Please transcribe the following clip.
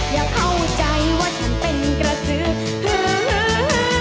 อย่าเข้าใจว่าฉันเป็นกระสืบฮือฮือฮือ